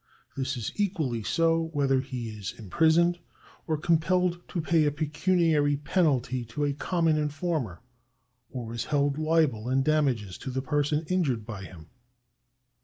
This is ecjually so, whether he is imprisoned, or compelled to pay a pecuniary penalty to a common informer, or is held liable in damages to the person injured by him.